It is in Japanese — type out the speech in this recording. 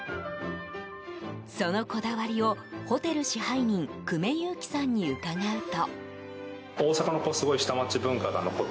そのこだわりをホテル支配人久米佑宜さんに伺うと。